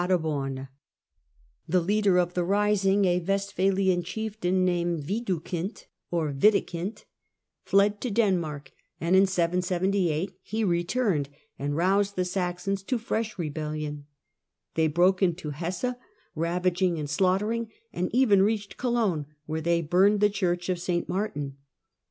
THE SAXON WARS 157 The leader of the rising, a Westfalian chieftain named Widukind, 778 779 Widukind (or Witikind) fled to Denmark, and in 778 he returned and roused the Saxons to fresh rebellion. They broke into Hesse, ravaging and slaughtering, and even reached Cologne, where they burned the Church of St. Martin.